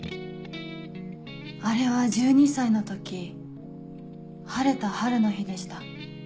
あれは１２歳の時晴れた春の日でした。